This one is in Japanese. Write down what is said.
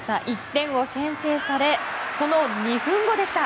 １点を先制されその２分後でした。